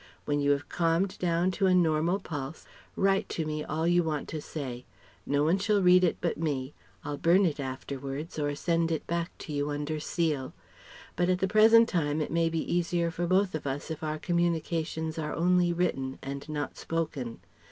When you have calmed down to a normal pulse, write to me all you want to say. No one shall read it but me ... I'll burn it afterwards or send it back to you under seal. But at the present time, it may be easier for both of us if our communications are only written and not spoken.